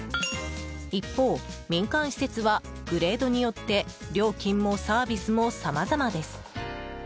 一方、民間施設はグレードによって料金もサービスもさまざまです。